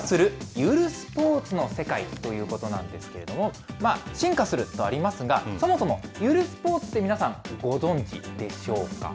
ゆるスポーツの世界ということなんですけれども、進化するとありますが、そもそも、ゆるスポーツって皆さん、ご存じでしょうか。